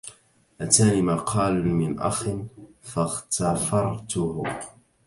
أتاني مقال من أخ فاغتفرته